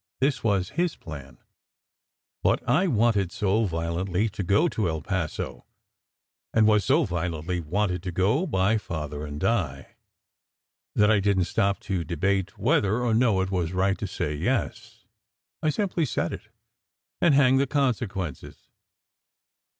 This was his plan; but I wanted so violently to go to El Paso and was so violently wanted to go by Father and Di, that I didn t stop to debate whether or no it was right to say yes. I simply said it, and hang the consequences!